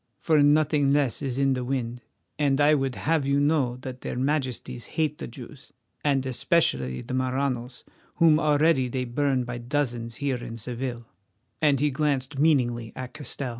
For nothing less is in the wind, and I would have you know that their Majesties hate the Jews, and especially the Maranos, whom already they burn by dozens here in Seville," and he glanced meaningly at Castell.